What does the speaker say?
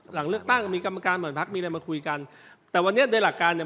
หลังเลือกตั้งมีกรรมการหัวหน้าหัวหน้าพักมีอะไรมาคุยกันแต่วันนี้โดยหลักการเนี้ย